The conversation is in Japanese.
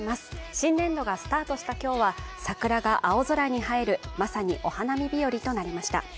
新年度がスタートした今日は桜が青空に映えるまさにお花見日和となりました。